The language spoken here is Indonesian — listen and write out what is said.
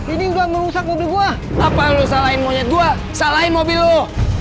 ini udah merusak mobil gua apa lu salahin monyet gua salahin mobil lo